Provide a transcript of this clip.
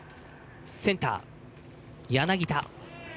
センター、柳田。